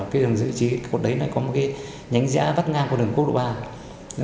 cái đường dây này có một cái nhánh dã vắt ngang của đường cốt đổ bào